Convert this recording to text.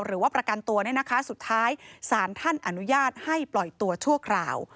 หรือว่าประกันตัวเนี่ยนะคะสุดท้ายศาลท่านอนุญาตให้ปล่อยตัวชั่วคราว